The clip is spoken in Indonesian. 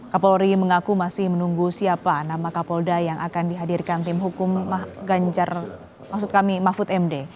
kapolri mengaku masih menunggu siapa nama kapolda yang akan dihadirkan tim hukum md